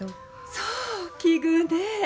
そう奇遇ねぇ！